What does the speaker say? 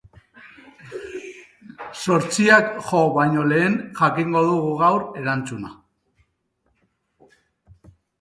Zortziak jo baino lehen jakingo dugu gaur erantzuna.